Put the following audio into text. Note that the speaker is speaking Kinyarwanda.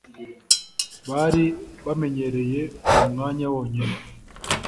bari bamenyereye Uwo mwanya wonyine